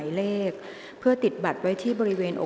กรรมการท่านที่สองได้แก่กรรมการใหม่เลขหนึ่งค่ะ